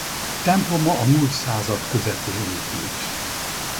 Temploma a mult század közepén épült.